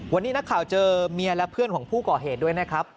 วันนี้นักข่าวเจอเมียและเพื่อนของผู้ก่อเหตุด้วยนะครับ